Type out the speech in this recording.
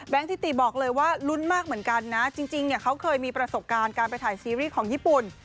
ทิติบอกเลยว่าลุ้นมากเหมือนกันนะจริงเนี่ยเขาเคยมีประสบการณ์การไปถ่ายซีรีส์ของญี่ปุ่น